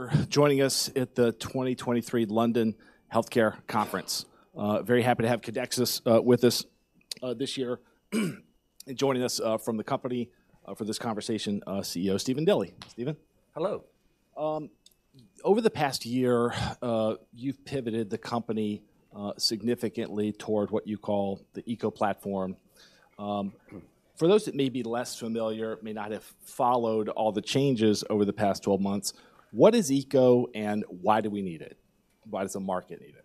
For joining us at the 2023 London Healthcare Conference. Very happy to have Codexis with us this year. Joining us from the company for this conversation, CEO Stephen Dilly. Stephen? Hello. Over the past year, you've pivoted the company significantly toward what you call the ECO platform. For those that may be less familiar, may not have followed all the changes over the past 12 months, what is ECO and why do we need it? Why does the market need it?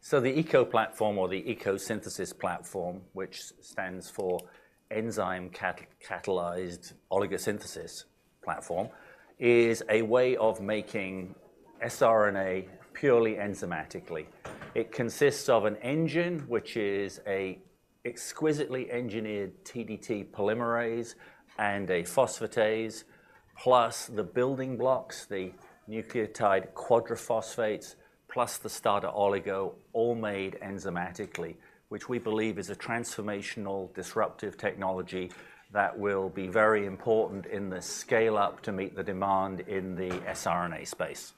So the ECO platform, or the ECO Synthesis platform, which stands for Enzyme-Catalyzed Oligosynthesis platform, is a way of making siRNA purely enzymatically. It consists of an engine, which is an exquisitely engineered TdT polymerase and a phosphatase, plus the building blocks, the nucleotide quadraphosphates, plus the starter oligo, all made enzymatically, which we believe is a transformational, disruptive technology that will be very important in the scale-up to meet the demand in the siRNA space.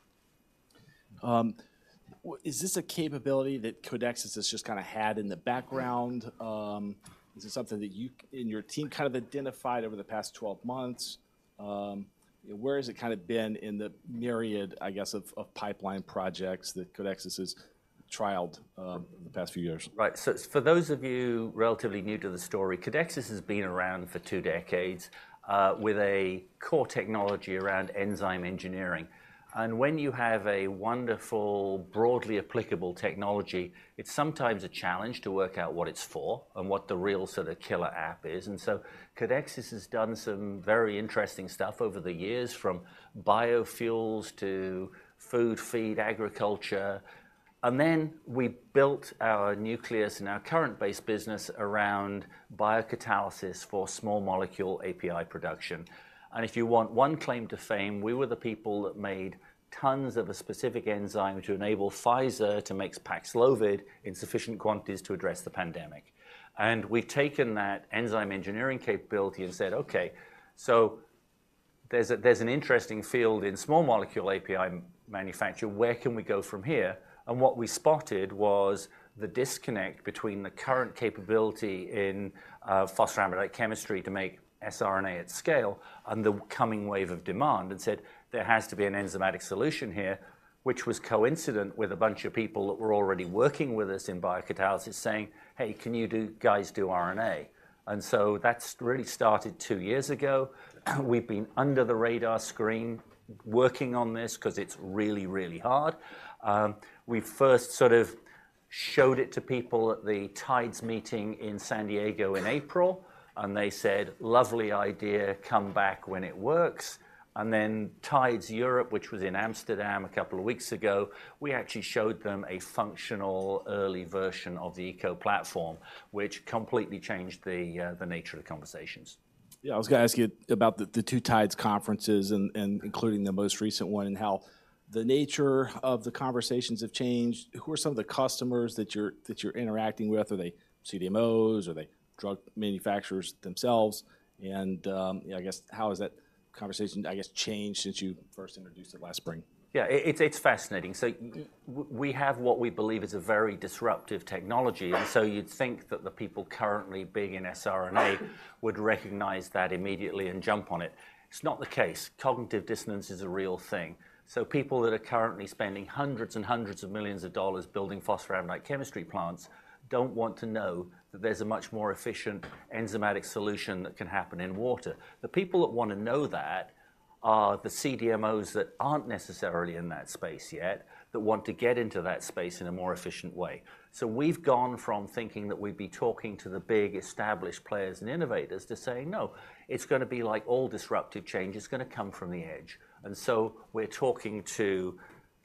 Is this a capability that Codexis has just kinda had in the background? Is it something that you and your team kind of identified over the past 12 months? Where has it kind of been in the myriad, I guess, of pipeline projects that Codexis has trialed, in the past few years? Right. So for those of you relatively new to the story, Codexis has been around for two decades with a core technology around enzyme engineering. And when you have a wonderful, broadly applicable technology, it's sometimes a challenge to work out what it's for and what the real sort of killer app is. And so Codexis has done some very interesting stuff over the years, from biofuels to food, feed, agriculture. And then we built our nucleus and our current base business around biocatalysis for small-molecule API production. And if you want one claim to fame, we were the people that made tons of a specific enzyme, which enabled Pfizer to make Paxlovid in sufficient quantities to address the pandemic. And we've taken that enzyme engineering capability and said, "Okay, so there's an interesting field in small molecule API manufacturing. Where can we go from here?" And what we spotted was the disconnect between the current capability in phosphoramidite chemistry to make siRNA at scale and the coming wave of demand, and said, "There has to be an enzymatic solution here," which was coincident with a bunch of people that were already working with us in biocatalysis, saying, "Hey, can you guys do RNA?" And so that's really started two years ago. We've been under the radar screen, working on this, 'cause it's really, really hard. We first sort of showed it to people at the TIDES meeting in San Diego in April, and they said, "Lovely idea. Come back when it works." And then TIDES Europe, which was in Amsterdam a couple of weeks ago, we actually showed them a functional early version of the ECO platform, which completely changed the nature of the conversations. Yeah, I was gonna ask you about the two TIDES conferences and including the most recent one, and how the nature of the conversations have changed. Who are some of the customers that you're interacting with? Are they CDMOs? Are they drug manufacturers themselves? And, yeah, I guess, how has that conversation, I guess, changed since you first introduced it last spring? Yeah, it's fascinating. So we have what we believe is a very disruptive technology, and so you'd think that the people currently big in siRNA would recognize that immediately and jump on it. It's not the case. Cognitive dissonance is a real thing. So people that are currently spending hundreds of millions of dollars building phosphoramidite chemistry plants don't want to know that there's a much more efficient enzymatic solution that can happen in water. The people that wanna know that are the CDMOs that aren't necessarily in that space yet, that want to get into that space in a more efficient way. So we've gone from thinking that we'd be talking to the big, established players and innovators to saying, "No, it's gonna be like all disruptive change. It's gonna come from the edge." And so we're talking to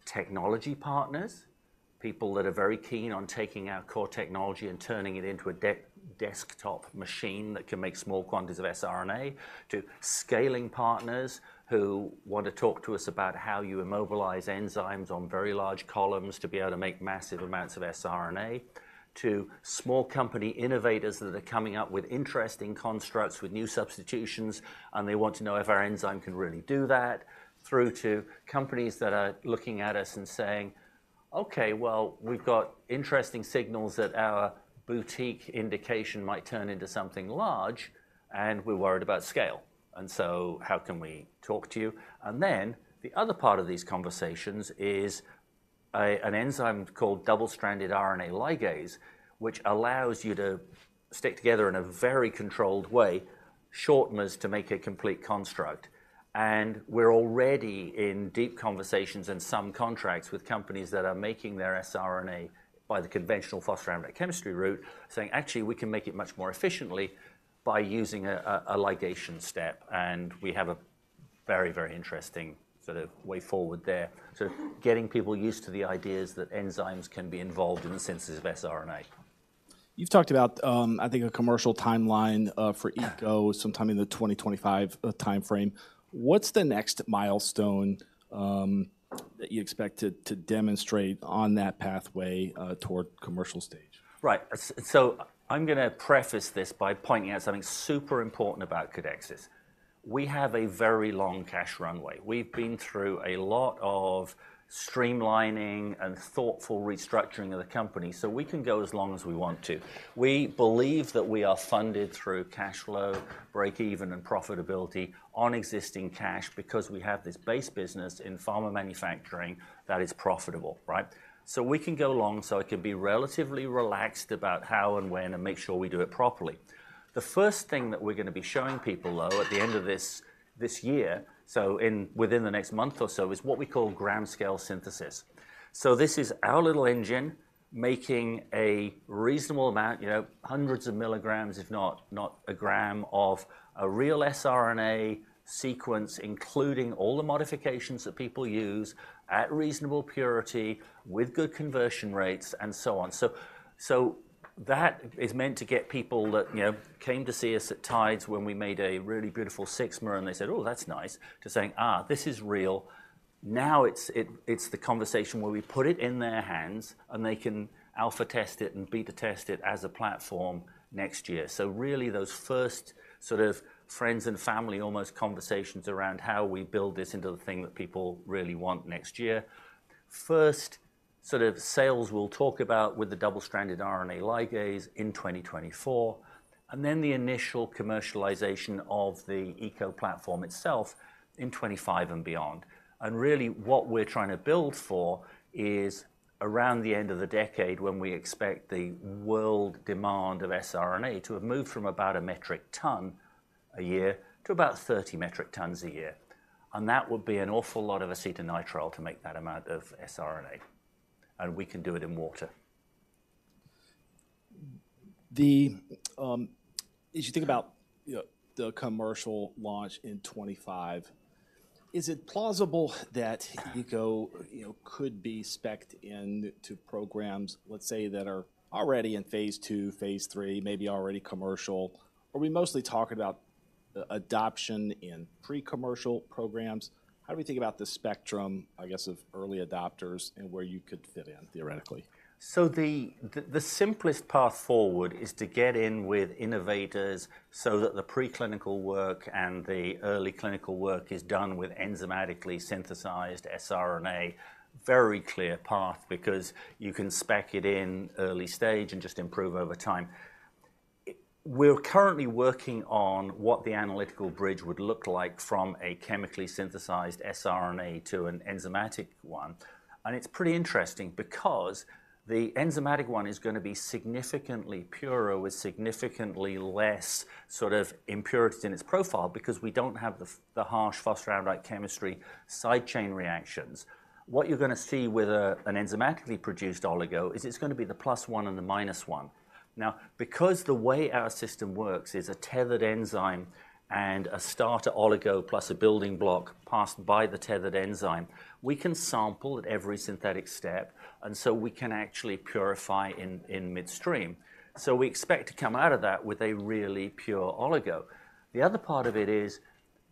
technology partners, people that are very keen on taking our core technology and turning it into a desktop machine that can make small quantities of siRNA, to scaling partners who want to talk to us about how you immobilize enzymes on very large columns to be able to make massive amounts of siRNA, to small company innovators that are coming up with interesting constructs with new substitutions, and they want to know if our enzyme can really do that, through to companies that are looking at us and saying, "Okay, well, we've got interesting signals that our boutique indication might turn into something large, and we're worried about scale. And so how can we talk to you?" And then, the other part of these conversations is an enzyme called double-stranded RNA ligase, which allows you to stick together in a very controlled way, short-mers to make a complete construct. And we're already in deep conversations and some contracts with companies that are making their siRNA by the conventional phosphoramidite chemistry route, saying, "Actually, we can make it much more efficiently by using a ligation step," and we have a very, very interesting sort of way forward there. So getting people used to the ideas that enzymes can be involved in the synthesis of siRNA. You've talked about, I think a commercial timeline, for ECO— Yeah. Sometime in the 2025 timeframe. What's the next milestone that you expect to demonstrate on that pathway toward commercial stage? Right. So I'm gonna preface this by pointing out something super important about Codexis. We have a very long cash runway. We've been through a lot of streamlining and thoughtful restructuring of the company, so we can go as long as we want to. We believe that we are funded through cash flow, break even, and profitability on existing cash because we have this base business in pharma manufacturing that is profitable, right? So we can go along, so it can be relatively relaxed about how and when, and make sure we do it properly. The first thing that we're gonna be showing people, though, at the end of this year, so within the next month or so, is what we call gram scale synthesis. So this is our little engine making a reasonable amount, you know, hundreds of milligrams, if not, not a gram of a real siRNA sequence, including all the modifications that people use, at reasonable purity, with good conversion rates, and so on. So, so that is meant to get people that, you know, came to see us at TIDES when we made a really beautiful 6-mer, and they said, "Oh, that's nice," to saying, "Ah, this is real." Now, it's, it, it's the conversation where we put it in their hands, and they can alpha test it and beta test it as a platform next year. So really those first sort of friends and family, almost conversations around how we build this into the thing that people really want next year. First, sort of sales we'll talk about with the double-stranded RNA ligase in 2024, and then the initial commercialization of the ECO platform itself in 2025 and beyond. And really, what we're trying to build for is around the end of the decade, when we expect the world demand of siRNA to have moved from about 1 metric ton a year to about 30 metric tons a year. And that would be an awful lot of acetonitrile to make that amount of siRNA, and we can do it in water. As you think about, you know, the commercial launch in 2025, is it plausible that ECO, you know, could be specced in to programs, let's say, that are already in phase II, phase III, maybe already commercial? Or are we mostly talking about adoption in pre-commercial programs? How do we think about the spectrum, I guess, of early adopters and where you could fit in, theoretically? So the simplest path forward is to get in with innovators so that the preclinical work and the early clinical work is done with enzymatically synthesized siRNA. Very clear path because you can spec it in early stage and just improve over time. We're currently working on what the analytical bridge would look like from a chemically synthesized siRNA to an enzymatic one. And it's pretty interesting because the enzymatic one is gonna be significantly purer, with significantly less sort of impurities in its profile, because we don't have the harsh phosphoramidite chemistry side chain reactions. What you're gonna see with an enzymatically produced oligo is it's gonna be the plus one and the minus one. Now, because the way our system works is a tethered enzyme and a starter oligo plus a building block passed by the tethered enzyme, we can sample at every synthetic step, and so we can actually purify in midstream. So we expect to come out of that with a really pure oligo. The other part of it is,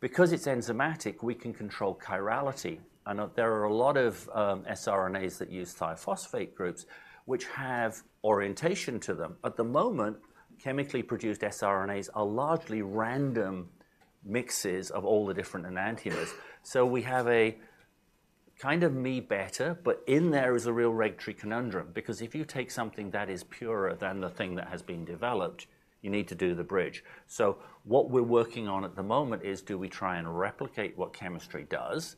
because it's enzymatic, we can control chirality. I know there are a lot of siRNAs that use thiophosphate groups, which have orientation to them. At the moment, chemically produced siRNAs are largely random mixes of all the different enantiomers. So we have a kind of me-too better, but therein is a real regulatory conundrum, because if you take something that is purer than the thing that has been developed, you need to do the bridge. So what we're working on at the moment is: Do we try and replicate what chemistry does,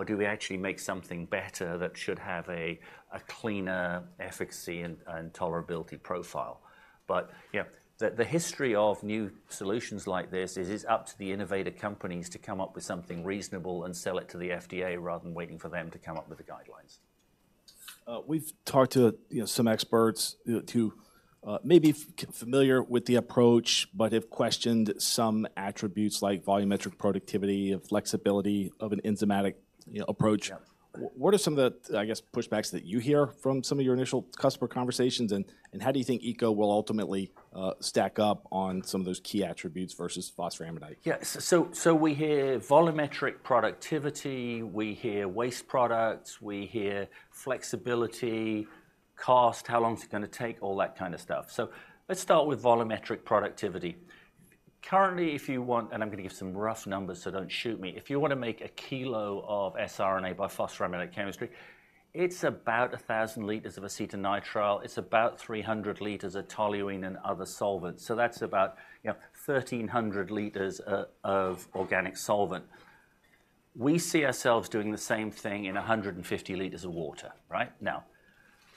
or do we actually make something better that should have a cleaner efficacy and tolerability profile? But, yeah, the history of new solutions like this, it is up to the innovative companies to come up with something reasonable and sell it to the FDA, rather than waiting for them to come up with the guidelines. We've talked to, you know, some experts, you know, may be familiar with the approach but have questioned some attributes like volumetric productivity and flexibility of an enzymatic, you know, approach. Yeah. What are some of the, I guess, pushbacks that you hear from some of your initial customer conversations, and how do you think ECO will ultimately stack up on some of those key attributes versus Phosphoramidite? Yeah. So, so we hear volumetric productivity, we hear waste products, we hear flexibility, cost, how long is it gonna take? All that kind of stuff. So let's start with volumetric productivity. Currently, if you want—and I'm gonna give some rough numbers, so don't shoot me. If you want to make 1 kg of siRNA by phosphoramidite chemistry, it's about 1,000 liters of acetonitrile. It's about 300 liters of toluene and other solvents. So that's about, you know, 1,300 liters of organic solvent. We see ourselves doing the same thing in 150 liters of water. Right? Now,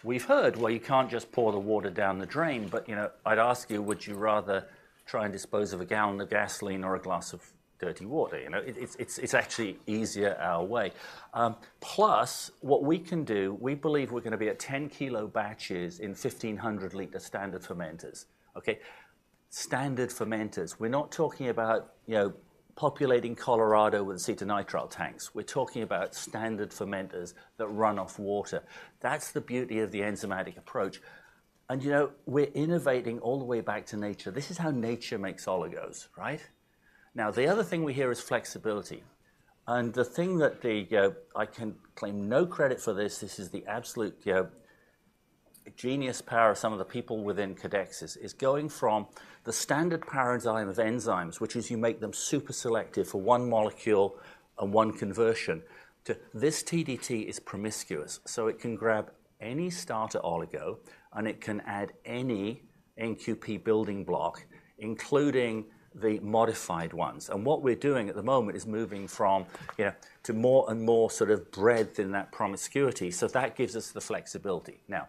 we've heard, well, you can't just pour the water down the drain, but, you know, I'd ask you, would you rather try and dispose of a gallon of gasoline or a glass of dirty water, you know? It's actually easier our way. Plus, what we can do, we believe we're gonna be at 10-kilo batches in 1,500 liters standard fermenters. Okay? Standard fermenters. We're not talking about, you know, populating Colorado with acetonitrile tanks. We're talking about standard fermenters that run off water. That's the beauty of the enzymatic approach, and, you know, we're innovating all the way back to nature. This is how nature makes oligos, right? Now, the other thing we hear is flexibility, and the thing that I can claim no credit for this, this is the absolute genius power of some of the people within Codexis, is going from the standard paradigm of enzymes, which is you make them super selective for one molecule and one conversion, to this TdT is promiscuous. So it can grab any starter oligo, and it can add any NQP building block, including the modified ones. What we're doing at the moment is moving from, you know, to more and more sort of breadth in that promiscuity. That gives us the flexibility. Now,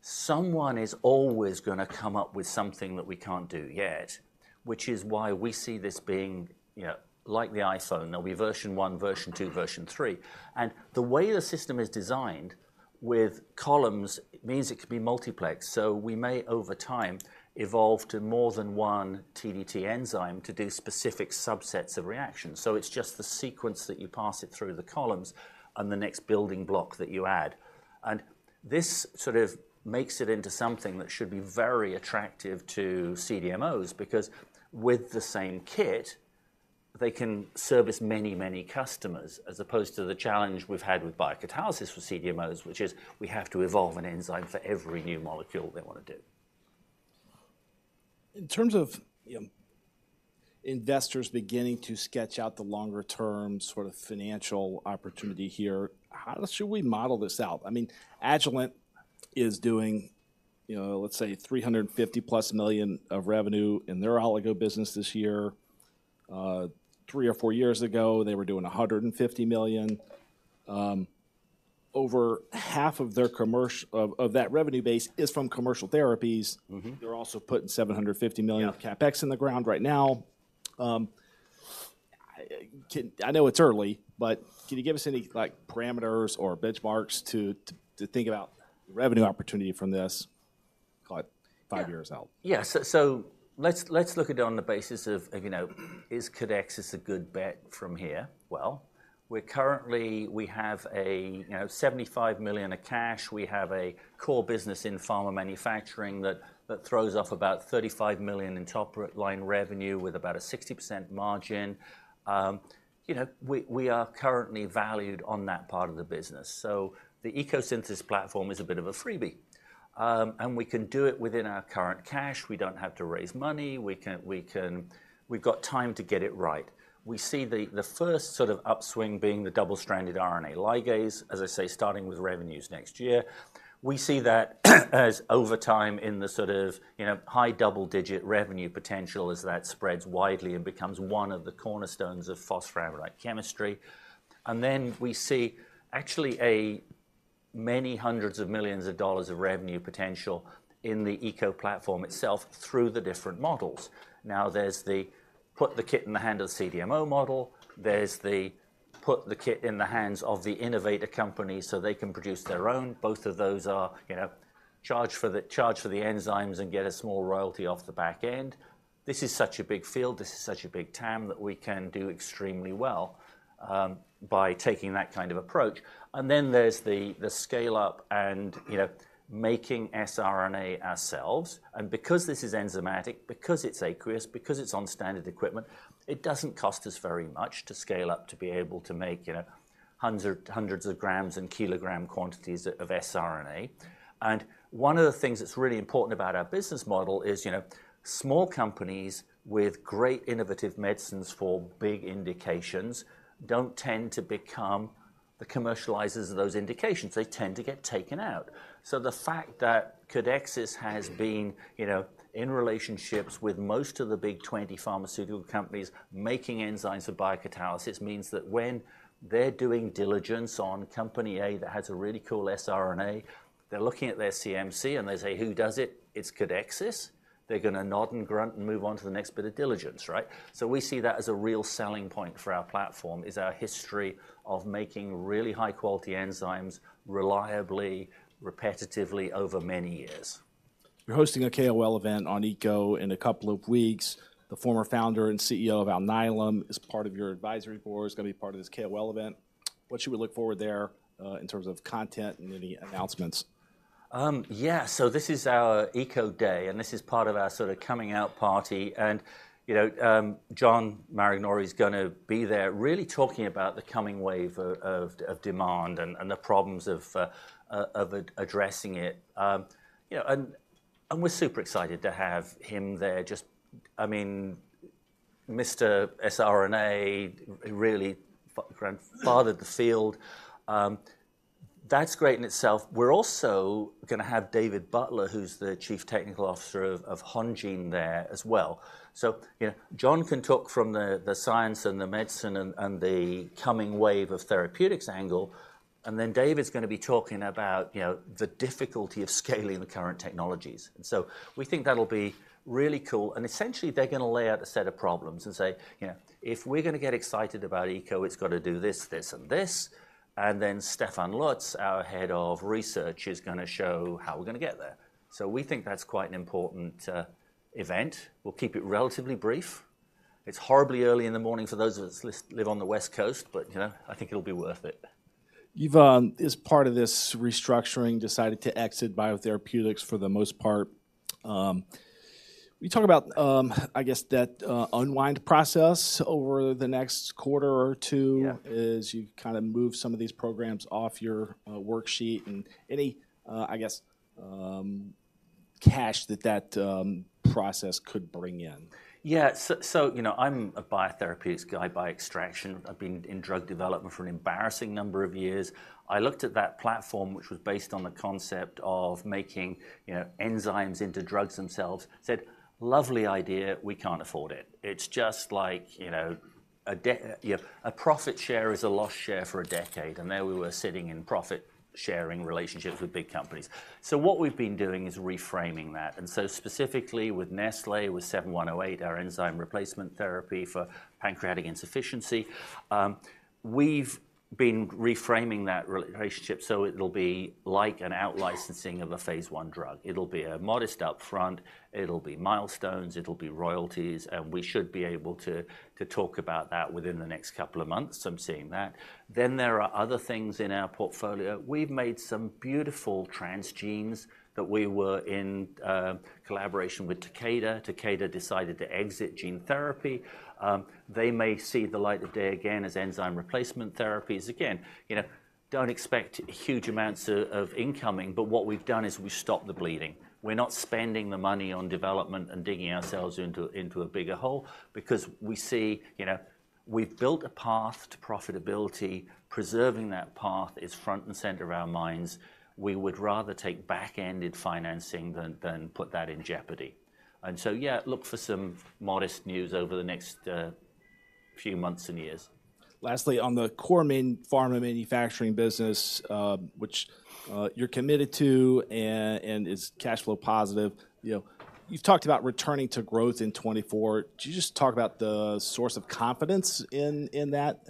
someone is always gonna come up with something that we can't do yet, which is why we see this being, you know, like the iPhone; there'll be version 1, version 2, version 3. The way the system is designed with columns means it can be multiplexed. We may, over time, evolve to more than one TdT enzyme to do specific subsets of reactions. It's just the sequence that you pass it through the columns and the next building block that you add. This sort of makes it into something that should be very attractive to CDMOs because with the same kit, they can service many, many customers, as opposed to the challenge we've had with biocatalysis for CDMOs, which is we have to evolve an enzyme for every new molecule they want to do. In terms of, you know, investors beginning to sketch out the longer-term sort of financial opportunity here, how should we model this out? I mean, Agilent is doing, you know, let's say $350+ million of revenue in their oligo business this year. Three or four years ago, they were doing $150 million. Over half of their commercial of that revenue base is from commercial therapies. They're also putting $750 million— Yeah. Of CapEx in the ground right now. I know it's early, but can you give us any, like, parameters or benchmarks to think about revenue opportunity from this, call it five years out? Yeah. So, so let's, let's look at it on the basis of, you know, is Codexis a good bet from here? Well, we're currently. We have a, you know, $75 million of cash. We have a core business in pharma manufacturing that, that throws off about $35 million in top line revenue with about a 60% margin. You know, we, we are currently valued on that part of the business. So the ECO Synthesis platform is a bit of a freebie. And we can do it within our current cash. We don't have to raise money. We can, we can. We've got time to get it right. We see the, the first sort of upswing being the double-stranded RNA ligase, as I say, starting with revenues next year. We see that as over time in the sort of, you know, high double-digit revenue potential as that spreads widely and becomes one of the cornerstones of phosphoramidite chemistry. And then we see actually $many hundreds of millions of revenue potential in the ECO platform itself through the different models. Now, there's the put the kit in the hand of the CDMO model, there's the put the kit in the hands of the innovator company so they can produce their own. Both of those are, you know, charge for the, charge for the enzymes and get a small royalty off the back end. This is such a big field, this is such a big TAM, that we can do extremely well, by taking that kind of approach. And then there's the scale-up and, you know, making siRNA ourselves, and because this is enzymatic, because it's aqueous, because it's on standard equipment, it doesn't cost us very much to scale up, to be able to make, you know, hundreds of grams and kilogram quantities of siRNA. And one of the things that's really important about our business model is, you know, small companies with great innovative medicines for big indications don't tend to become the commercializers of those indications. They tend to get taken out. So the fact that Codexis has been, you know, in relationships with most of the big 20 pharmaceutical companies making enzymes for biocatalysis means that when they're doing diligence on Company A that has a really cool siRNA, they're looking at their CMC, and they say, "Who does it? It's Codexis?." They're gonna nod and grunt and move on to the next bit of diligence, right? So we see that as a real selling point for our platform, is our history of making really high-quality enzymes reliably, repetitively over many years. You're hosting a KOL event on ECO in a couple of weeks. The former founder and CEO of Alnylam is part of your advisory board, he's gonna be part of this KOL event. What should we look forward there in terms of content and any announcements? Yeah, so this is our ECO Day, and this is part of our sort of coming out party. And, you know, John Maraganore is gonna be there, really talking about the coming wave of demand and the problems of addressing it. You know, and we're super excited to have him there, just—I mean, Mr. siRNA, he really grandfathered the field. That's great in itself. We're also gonna have David Butler, who's the Chief Technology Officer of Hongene there as well. So, you know, John can talk from the science and the medicine and the coming wave of therapeutics angle, and then David's gonna be talking about, you know, the difficulty of scaling the current technologies. And so we think that'll be really cool, and essentially, they're gonna lay out a set of problems and say: "You know, if we're gonna get excited about ECO, it's gotta do this, this, and this." And then Stefan Lutz, our head of research, is gonna show how we're gonna get there. So we think that's quite an important event. We'll keep it relatively brief. It's horribly early in the morning for those of us live on the West Coast, but, you know, I think it'll be worth it. You've as part of this restructuring decided to exit biotherapeutics for the most part. Will you talk about, I guess, that unwind process over the next quarter or two? Yeah. As you kind of move some of these programs off your worksheet, and any, I guess, cash that process could bring in? Yeah, so, you know, I'm a biotherapeutics guy by extraction. I've been in drug development for an embarrassing number of years. I looked at that platform, which was based on the concept of making, you know, enzymes into drugs themselves, said, "Lovely idea. We can't afford it." It's just like, you know, a profit share is a lost share for a decade, and there we were sitting in profit-sharing relationships with big companies. So what we've been doing is reframing that, and so specifically with Nestlé, with 7108, our enzyme replacement therapy for pancreatic insufficiency, we've been reframing that relationship so it'll be like an out-licensing of a phase I drug. It'll be a modest upfront, it'll be milestones, it'll be royalties, and we should be able to talk about that within the next couple of months. I'm seeing that. Then, there are other things in our portfolio. We've made some beautiful transgenes that we were in collaboration with Takeda. Takeda decided to exit gene therapy. They may see the light of day again as enzyme replacement therapies. Again, you know, don't expect huge amounts of incoming, but what we've done is we've stopped the bleeding. We're not spending the money on development and digging ourselves into a bigger hole because we see, you know, we've built a path to profitability. Preserving that path is front and center of our minds. We would rather take back-ended financing than put that in jeopardy. And so, yeah, look for some modest news over the next few months and years. Lastly, on the core main pharma manufacturing business, which you're committed to and is cash flow positive, you know, you've talked about returning to growth in 2024. Could you just talk about the source of confidence in that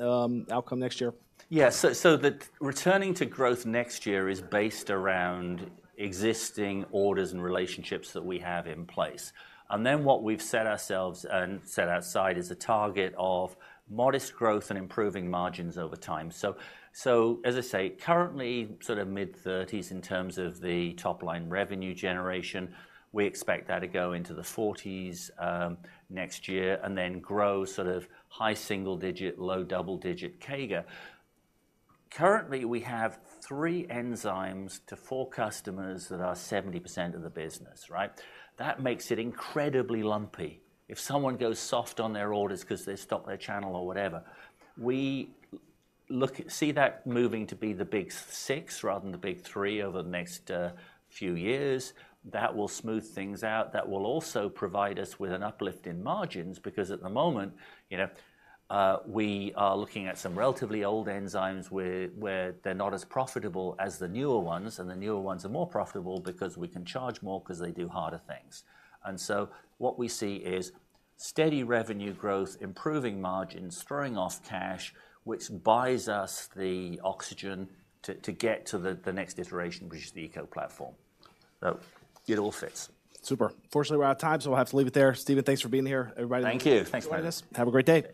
outcome next year? The returning to growth next year is based around existing orders and relationships that we have in place. What we've set ourselves and set outside is a target of modest growth and improving margins over time. So, as I say, currently, sort of mid-30s in terms of the top-line revenue generation. We expect that to go into the 40s next year and then grow sort of high single-digit, low double-digit CAGR. Currently, we have 3 enzymes to 4 customers that are 70% of the business, right? That makes it incredibly lumpy. If someone goes soft on their orders 'cause they stop their channel or whatever, we'll look to see that moving to be the big 6 rather than the big 3 over the next few years. That will smooth things out. That will also provide us with an uplift in margins because, at the moment, you know, we are looking at some relatively old enzymes where they're not as profitable as the newer ones, and the newer ones are more profitable because we can charge more 'cause they do harder things. So what we see is steady revenue growth, improving margins, throwing off cash, which buys us the oxygen to get to the next iteration, which is the ECO platform. So it all fits. Super. Unfortunately, we're out of time, so we'll have to leave it there. Stephen, thanks for being here. Everybody— Thank you. Thanks for having me. Have a great day.